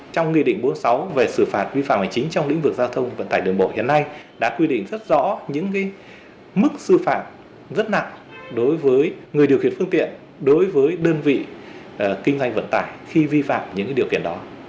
trong nghị định bốn mươi sáu về xử phạt vi phạm hành chính trong lĩnh vực giao thông vận tải đường bộ hiện nay đã quy định rất rõ những mức sư phạm rất nặng đối với người điều khiển phương tiện đối với đơn vị kinh doanh vận tải khi vi phạm những điều kiện đó